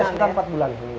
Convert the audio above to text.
ya sudah empat bulan